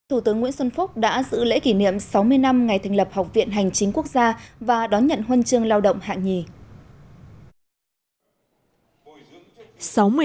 thủ tướng nguyễn xuân phúc đã dự lễ kỷ niệm sáu mươi năm ngày thành lập học viện hành chính quốc gia và đón nhận huân chương lao động hạng nhì